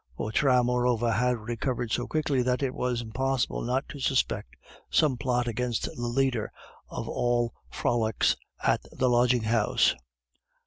Vautrin, moreover, had recovered so quickly that it was impossible not to suspect some plot against the leader of all frolics at the lodging house.